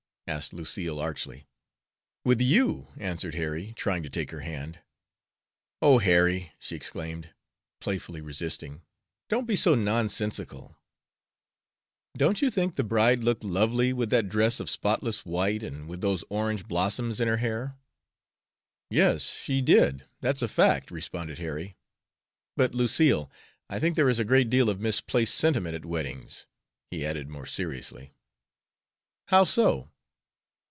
asked Lucille, archly. "With you," answered Harry, trying to take her hand. "Oh, Harry!" she exclaimed, playfully resisting. "Don't be so nonsensical! Don't you think the bride looked lovely, with that dress of spotless white and with those orange blossoms in her hair?" "Yes, she did; that's a fact," responded Harry. "But, Lucille, I think there is a great deal of misplaced sentiment at weddings," he added, more seriously. "How so?"